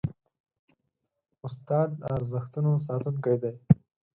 استاد د ارزښتونو ساتونکی دی.